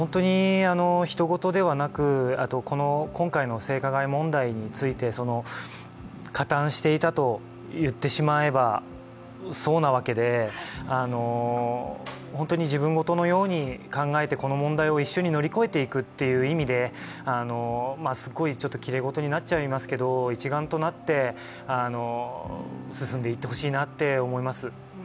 人ごとではなくて、今回の性加害問題について、加担していたと言ってしまえばそうなわけで本当に自分事のように考えてこの問題を一緒に乗り越えていくという意味ですごいきれいごとになっちゃいますけど一丸となって進んでいってほしいなと思います